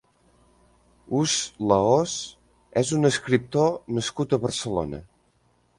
Use Lahoz és un escriptor nascut a Barcelona.